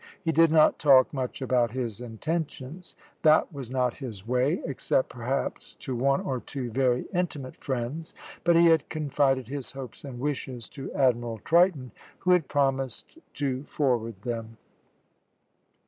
He did not talk much about his intentions; that was not his way, except, perhaps, to one or two very intimate friends; but he had confided his hopes and wishes to Admiral Triton, who had promised to forward them.